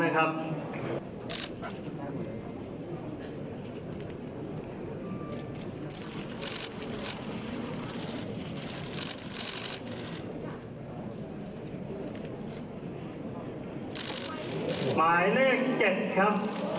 หมายเลขที่๓๗ครับ